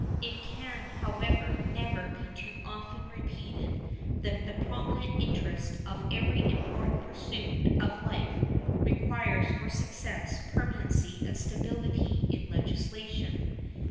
It can, however, never be too often repeated that the prominent interest of every important pursuit of life requires for success permanency and stability in legislation.